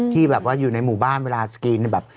ที่แบบว่าอยู่ในหมู่บ้านเวลาสกรีนแบบ